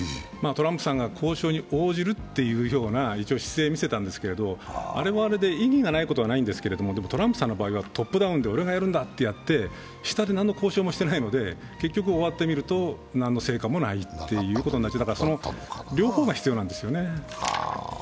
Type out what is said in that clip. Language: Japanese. トランプさんが交渉に応じるという姿勢を見せたんですけどあれはあれで意義がないことはないんですけど、トランプさんの場合はトップダウンで俺がやるんだといって下で何の交渉もしていないので結局、終わってみると、何の成果もないということになって、両方が必要なんですよね。